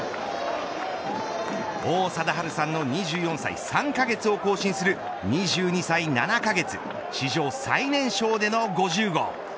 王貞治さんの２４歳３カ月を更新する２２歳７カ月史上最年少での５０号。